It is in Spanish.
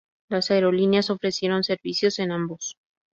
Las aerolíneas ofrecieron servicios en ambos.